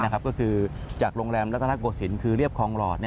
ก็คือจากโรงแรมรัฐนาโกศิลป์คือเรียบคลองหลอด